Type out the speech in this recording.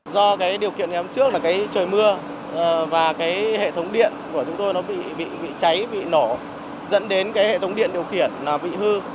do điều kiện ngày hôm trước là trời mưa và hệ thống điện của chúng tôi bị cháy bị nổ dẫn đến hệ thống điện điều kiện bị hư